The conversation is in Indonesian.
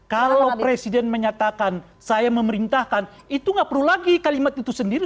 kalau presiden menyatakan saya memerintahkan itu nggak perlu lagi kalimat itu sendiri